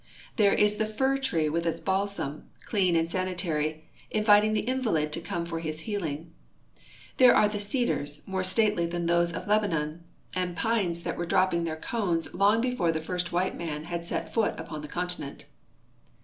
There is the fir tree with its balsam, clean and sanitary, inviting the invalid to come for his healing; there are the cedars more stately than those of Lebanon, and pines that were dropping their cones long before the first white man had set foot upon the continent.